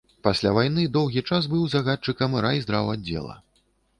Пасля вайны доўгі час быў загадчыкам райздраўаддзела.